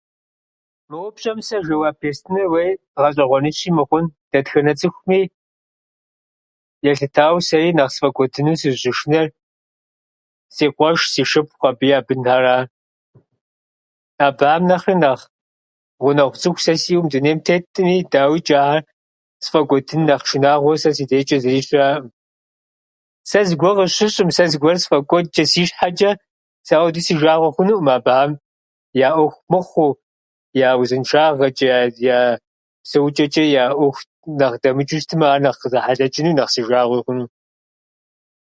Мы упщӏэм сэ жэуап естыныр уей гъэщӏэгъуэныщи мыхъун. Дэтхэнэ цӏыхуми елъытауэ, сэри нэхъ сфӏэкӏуэдыну сызыщышынэр си къуэш, си шыпхъу, абыхьэм я бынхьэра. Абыхьэм нэхърэ нэхъ гъунэгъу цӏыху сэ сиӏэу мы дунейм тетӏыми, дауичӏ, ахьэр сфӏэкӏуэдын нэхъ шынагъуэ сэ си дежчӏэ зыри щыӏэӏым. Сэ зыгуэр къысщыщӏым, сэ зыгуэр сфӏэкӏуэдчӏэ, си щхьэчӏэ сэ ауэду си жагъуэ хъунуӏым. Абыхьэм я ӏуэху мыхъуу, я узыншагъэчӏэ, я псэучӏэчӏэ, я ӏуэху нэхъ дэмычӏу щытмэ, ар нэхъ къызэхьэлъэчӏыну, нэхъ си жагъуи хъуну.